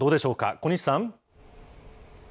小西さん。